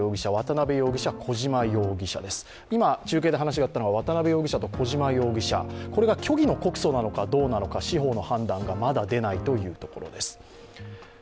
今、中継で話があったのが渡辺容疑者と小島容疑者、これが虚偽の判断なのかどうなのか、司法の判断がまだ出ないというところです。